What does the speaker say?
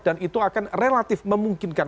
dan itu akan relatif memungkinkan